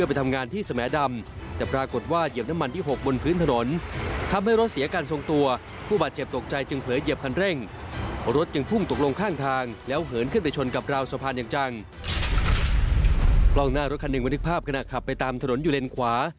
กล้องหน้ารถคันหนึ่งบันทึกภาพขณะขับไปตามถนนอยู่เลนขวา